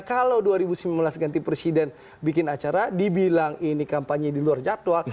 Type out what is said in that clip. kalau dua ribu sembilan belas ganti presiden bikin acara dibilang ini kampanye di luar jadwal